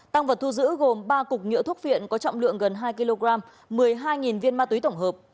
tăng vật thu giữ gồm ba cục nhựa thuốc phiện có trọng lượng gần hai kg một mươi hai viên ma túy tổng hợp